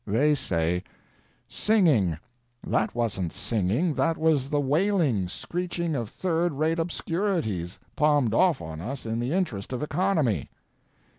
They say: "Singing! That wasn't singing; that was the wailing, screeching of third rate obscurities, palmed off on us in the interest of economy."